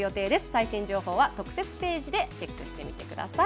最新情報は特設ページでチェックしてみてください。